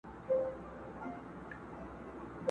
په اساس کي بس همدغه شراکت دئ؛